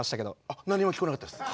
あっ何も聞こえなかったです。